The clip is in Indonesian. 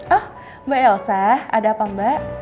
oh mbak elsa ada apa mbak